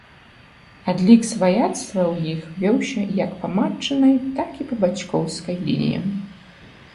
Адлік сваяцтва ў іх вёўся як па матчынай, так і па бацькоўскай лініям.